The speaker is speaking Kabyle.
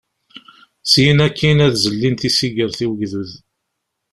Syen akkin ad zellin tisigert i ugdud.